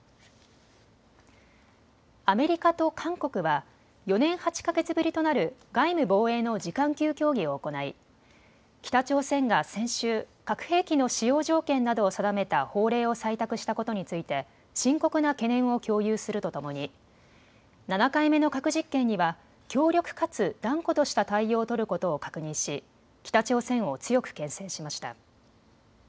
アメリカと韓国は４年８か月ぶりとなる外務・防衛の次官級協議を行い、北朝鮮が先週、核兵器の使用条件などを定めた法令を採択したことについて深刻な懸念を共有するとともに７回目の核実験には強力かつ断固とした対応を取ることを確認し北朝鮮を強くけん制しました。